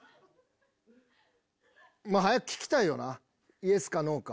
⁉まぁ早く聞きたいよなイエスかノーか。